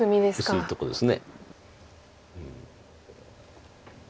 薄いとこです。